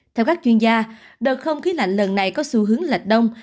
theo các chuyên gia đợt không khí lạnh lần này có xu hướng lệch đông